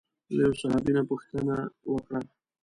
له یوه صحابي نه یې پوښتنه وکړه.